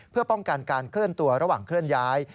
เพื่อป้องกันการเคลื่อนตัวระหว่างเคลื่อนย้าย